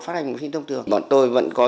phát hành phim thông thường bọn tôi vẫn có